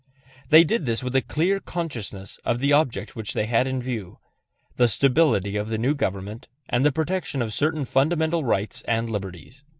They did this with a clear consciousness of the object which they had in view the stability of the new government and the protection of certain fundamental rights and liberties.